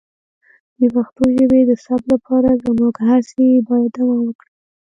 د پښتو ژبې د ثبت لپاره زموږ هڅې باید دوام وکړي.